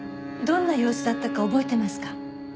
どんな様子だったか覚えてますか？